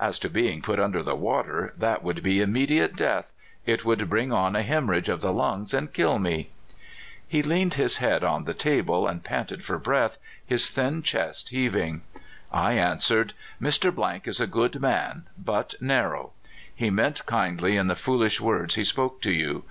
As to being'put under the water, that would be immediate death ; it would bring on a hemorrhage of the lungs, and kill me." He leaned his head on the table and panted lor breath, his thin chest heaving. I answered :'' Mr. is a good man, but narrow. He meant kind ly in the foolish words he spoke to you.